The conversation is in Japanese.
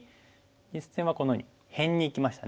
実戦はこのように辺にいきましたね。